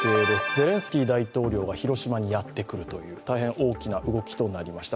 ゼレンスキー大統領が広島にやってくるという大変大きな動きとなりました。